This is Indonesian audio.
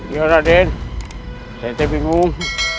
iya raden saya bingung